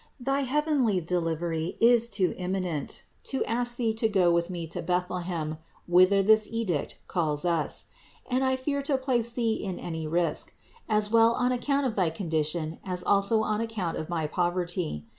Thy heavenly delivery is too imminent to ask Thee to go with me to Bethlehem, whither this edict calls us; and I fear 376 CITY OF GOD to place Thee in any risk, as well on account of thy con dition as also on account of my poverty.